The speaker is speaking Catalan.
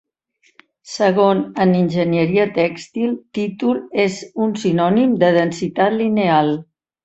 Segon, en enginyeria tèxtil, títol és un sinònim de densitat lineal.